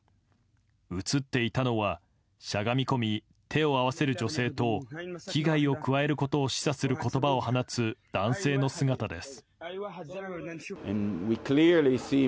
映っていたのはしゃがみ込み手を合わせる女性と危害を加えることを示唆する言葉を放つ男性の姿です。